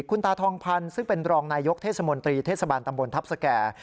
คุณตาทองพันธ์ซึ่งเป็นรองนายยกเทศมนตรีเทศบาลตำบลทัพสแก่